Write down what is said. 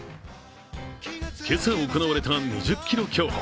今朝行われた２０ｋｍ競歩